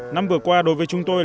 năm vừa qua đối với chúng tôi